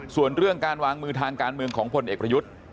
ส่วนเรื่องการวางมือทางการเมืองของพลเอกประยุทธ์